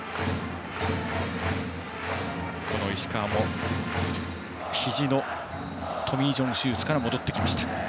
石川もひじのトミー・ジョン手術から戻ってきました。